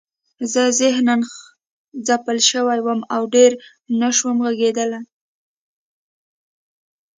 زه ذهناً ځپل شوی وم او ډېر نشوم غږېدلی